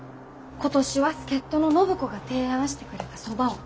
今年は助っ人の暢子が提案してくれたそばを。